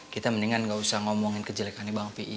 kita mendingan gak usah ngomongin kejelekannya bang p i